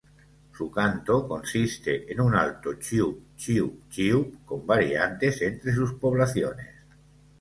Su canto consiste en un alto "chiiup-chiiup-chiiup" con variantes entre sus poblaciones.